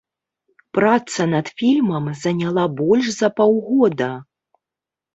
Праца над фільмам заняла больш за паўгода.